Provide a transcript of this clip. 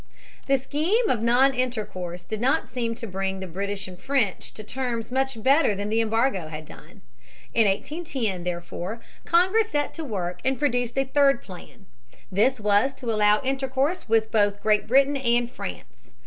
The scheme of non intercourse did not seem to bring the British and the French to terms much better than the embargo had done. In 1810, therefore, Congress set to work and produced a third plan. This was to allow intercourse with both Great Britain and France.